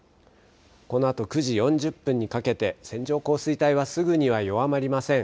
このあと９時４０分にかけて、線状降水帯はすぐには弱まりません。